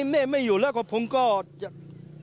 ชาวบ้านในพื้นที่บอกว่าปกติผู้ตายเขาก็อยู่กับสามีแล้วก็ลูกสองคนนะฮะ